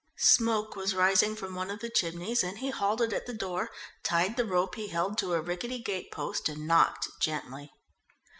Smoke was rising from one of the chimneys, and he halted at the door, tied the rope he held to a rickety gate post, and knocked gently.